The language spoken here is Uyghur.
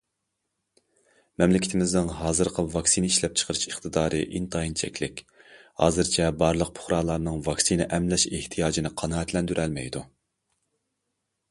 مەملىكىتىمىزنىڭ ھازىرقى ۋاكسىنا ئىشلەپچىقىرىش ئىقتىدارى ئىنتايىن چەكلىك، ھازىرچە بارلىق پۇقرانىڭ ۋاكسىنا ئەملەش ئېھتىياجىنى قانائەتلەندۈرەلمەيدۇ.